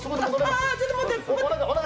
ああちょっと待って！